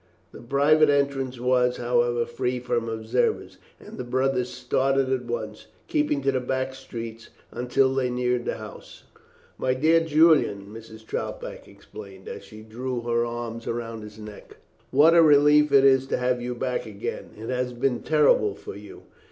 The private entrance was, however, free from observers, and the brothers started at once, keeping to the back streets until they neared the house. "My dear Julian," Mrs. Troutbeck exclaimed as she threw her arms round his neck, "what a relief it is to have you back again. It has been terrible for you."